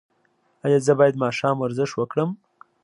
ایا زه باید ماښام ورزش وکړم؟